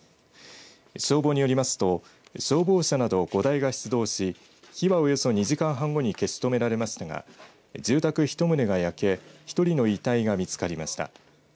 消防によりますと消防車など５台が出動し火はおよそ２時間半後に消し止められましたが住宅１棟が焼け１人の遺体が見つかりました。